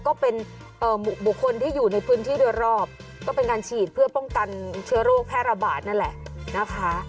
ก็เป็นบุคคลที่อยู่ในพื้นที่โดยรอบก็เป็นการฉีดเพื่อป้องกันเชื้อโรคแพร่ระบาดนั่นแหละนะคะ